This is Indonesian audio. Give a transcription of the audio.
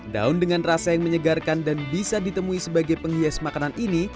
daun dengan rasa yang menyegarkan dan bisa ditemui sebagai penghias makanan ini